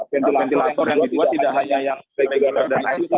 ventilator yang ditua tidak hanya yang regular dan isu